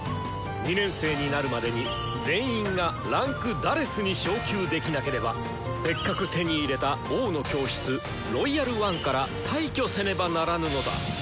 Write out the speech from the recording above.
２年生になるまでに全員が位階「４」に昇級できなければせっかく手に入れた「王の教室」「ロイヤル・ワン」から退去せねばならぬのだ！